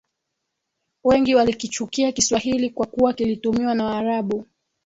wengi walikichukia kiswahili kwa kuwa kilitumiwa na waarabu